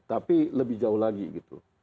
tapi lebih jauh lagi gitu